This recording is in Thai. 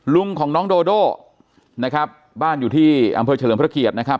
ลุงของน้องโดโดนะครับบ้านอยู่ที่อำเภอเฉลิมพระเกียรตินะครับ